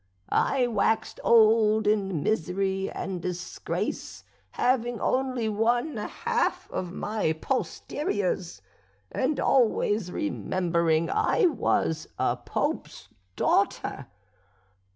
I waxed old in misery and disgrace, having only one half of my posteriors, and always remembering I was a Pope's daughter.